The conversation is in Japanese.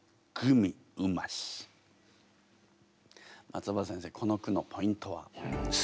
松尾葉先生この句のポイントは？